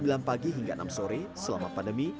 pukul sembilan pagi hingga enam sore selama pandemi